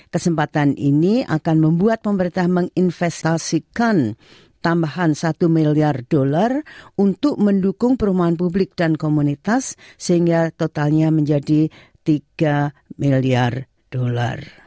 kesempatan ini akan membuat pemerintah menginvestasikan tambahan satu miliar dolar untuk mendukung perumahan publik dan komunitas sehingga totalnya menjadi tiga miliar dolar